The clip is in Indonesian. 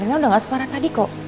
karena udah gak separah tadi kok